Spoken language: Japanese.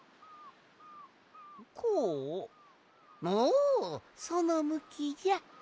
おそのむきじゃ。